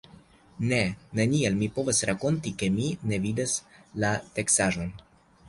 Ne, neniel mi povas rakonti, ke mi ne vidas la teksaĵon!